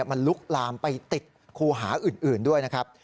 มันลุกลามไปติดคูหาอื่นด้วยนะครับ